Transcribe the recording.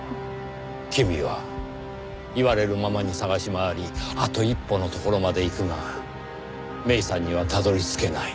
君は言われるままに捜し回りあと一歩のところまでいくが芽依さんにはたどり着けない。